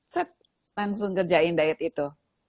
set langsung ngerjain diet itu